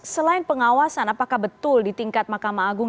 selain pengawasan apakah betul di tingkat mahkamah agung